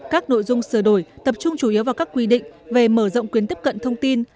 các nội dung sửa đổi tập trung chủ yếu vào các quy định về mở rộng quyến tiếp cận thông tin